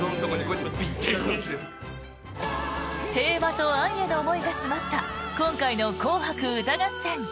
平和と愛への思いが詰まった今回の「紅白歌合戦」。